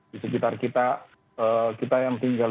di sekitar kita kita yang tinggal